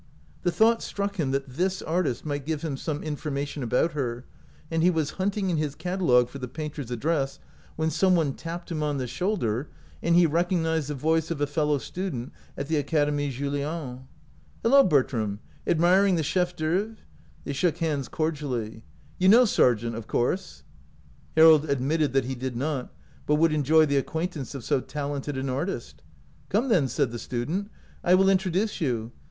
The thought struck him that this artist might give him some information about her, and he was hunting in his catalogue for the painter's address, when some one tapped him on the shoulder, and he recognized the voice of a fellow student at the Academie Julian. " Hello, Bertram ! admiring the chef d'oeuvre?" They shook hands cordially. "You know Sargent, of course?" Harold admitted that he did not, but would enjoy the acquaintance of so talented an artist. " Come, then," said the student, " I will 187 OUT OF BOHEMIA introduce you.